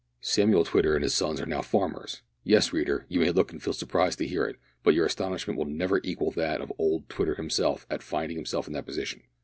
Samuel Twitter and his sons are now farmers! Yes, reader, you may look and feel surprised to hear it, but your astonishment will never equal that of old Twitter himself at finding himself in that position.